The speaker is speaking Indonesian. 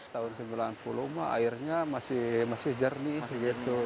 tahun sembilan puluh airnya masih jernih begitu